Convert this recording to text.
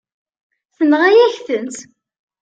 Tenɣa-yak-tent.